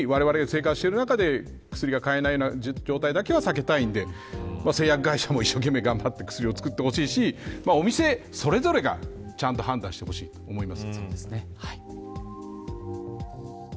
だけど日本人が普通にわれわれが生活する中で薬が買えないような状態だけは避けたいので製薬会社も一生懸命頑張って薬を作ってほしいしお店それぞれが、ちゃんと判断してほしいと思います。